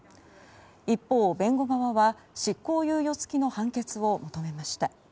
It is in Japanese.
一方、弁護側は執行猶予付きの判決を求めました。